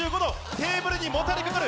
テーブルにもたれ掛かる。